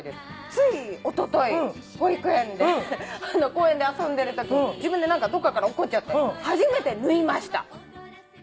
ついおととい保育園で公園で遊んでるとき自分でどっかから落っこっちゃって初めて縫いました。